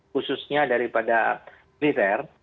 khususnya daripada militer